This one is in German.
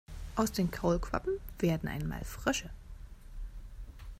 Aus den Kaulquappen werden einmal Frösche.